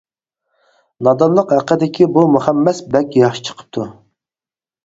نادانلىق ھەققىدىكى بۇ مۇخەممەس بەك ياخشى چىقىپتۇ.